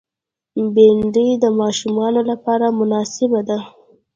بېنډۍ د ماشومانو لپاره مناسبه ده